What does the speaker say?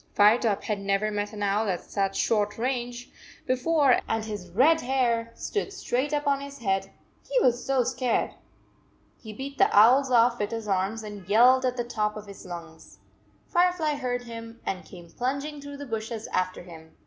Firetop had never met an owl at such short range 119 4S* : ^x^< beforehand his red hair stood straight up on his head, he was so scared. He beat the owls off with his arms and yelled at the top of his lungs. Firefly heard him and came plunging through the bushes after him.